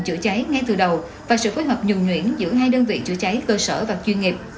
chữa cháy ngay từ đầu và sự phối hợp nhuẩn nhuyễn giữa hai đơn vị chữa cháy cơ sở và chuyên nghiệp